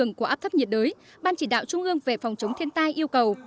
trong trường của áp thấp nhiệt đới ban chỉ đạo trung ương về phòng chống thiên tai yêu cầu